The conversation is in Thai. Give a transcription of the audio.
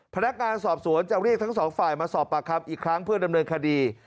พนักงานสอบสวนจะเรียกทั้งสองฝ่ายมาสอบปากคำอีกครั้งเพื่อดำเนินคดี